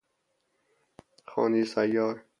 خانهی سیار